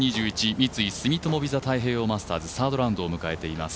三井住友ＶＩＳＡ太平洋マスターズサードラウンドを迎えています。